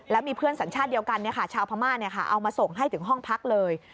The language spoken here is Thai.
แล้วมีเพื่อนสัญชาติเดียวกันชาวพม่าเอามาส่งให้ถึงห้องพักเลย